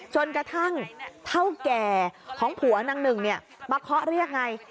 จนกระทั่งเท่าแก่ของผัวนางหนึ่งมาเคาะเรียกไง